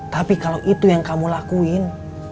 tapi kalau itu yang kamu lakuin